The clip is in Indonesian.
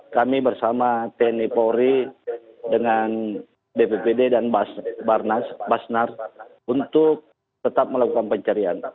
kami bersama tni polri dengan bppd dan basnar untuk tetap melakukan pencarian